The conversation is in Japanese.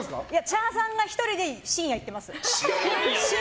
茶さんが１人で深夜に行ってます。